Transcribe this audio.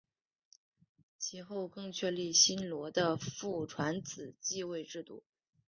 其后更确立新罗的父传子继位制度。